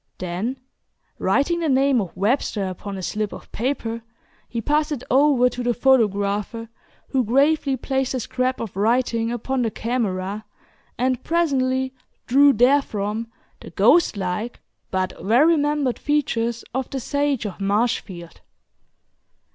Then, writing the name of Webster upon a slip of paper, he passed it over to the photographer, who gravely placed the scrap of writing upon the camera, and presently drew therefrom the "ghost like" but well remembered features of the "Sage of Marshfield."